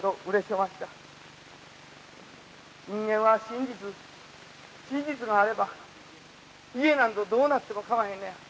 「人間は真実真実があれば家なんぞどうなってもかまへんのや。